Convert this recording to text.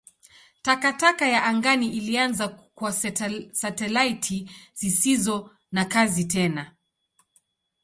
Takataka ya angani ilianza kwa satelaiti zisizo na kazi tena.